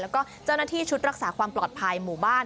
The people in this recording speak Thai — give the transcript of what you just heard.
แล้วก็เจ้าหน้าที่ชุดรักษาความปลอดภัยหมู่บ้าน